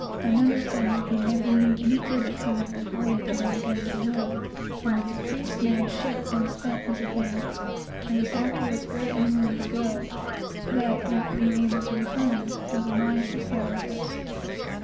Another said that he never knew any good to come of a voyage made against the will, and the deceased man shipped and spent his advance and was afterwards very unwilling to go, but not being able to refund, was obliged to sail with us.